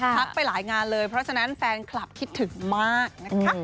ไปหลายงานเลยเพราะฉะนั้นแฟนคลับคิดถึงมากนะคะ